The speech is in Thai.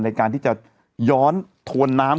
ในการที่จะย้อนถวนน้ำ